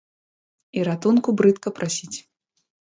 І ратунку брыдка прасіць.